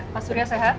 pak surya sehat